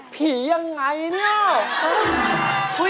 ยังไงเนี่ย